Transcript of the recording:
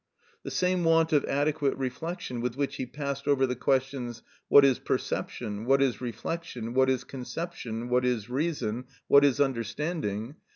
The same want of adequate reflection with which he passed over the questions: what is perception? what is reflection? what is conception? what is reason? what is understanding?